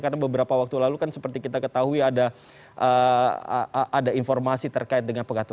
karena beberapa waktu lalu kan seperti kita ketahui ada informasi terkait dengan pengaturan skor